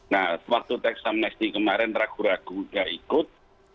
nah waktu teks amnesti kemarin ragu ragu tidak ikut